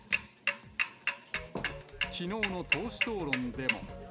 きのうの党首討論でも。